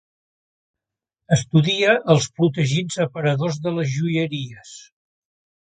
Estudia els protegits aparadors de les joieries.